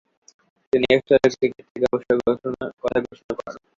তিনি এ স্তরের ক্রিকেট থেকে অবসরের কথা ঘোষণা করেন।